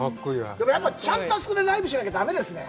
でも、やっぱ、ちゃんとあそこでライブしなきゃだめですね。